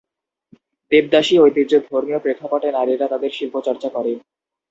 দেবদাসী ঐতিহ্য ধর্মীয় প্রেক্ষাপটে নারীরা তাদের শিল্প চর্চা করে।